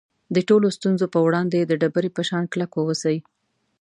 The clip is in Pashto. د ټولو ستونزو په وړاندې د ډبرې په شان کلک واوسئ.